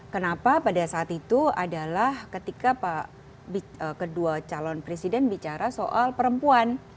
kenapa pada saat itu adalah ketika pak kedua calon presiden bicara soal perempuan